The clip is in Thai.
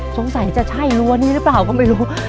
สงสัยจะใช่รั้วนี้หรือเปล่าก็ไม่รู้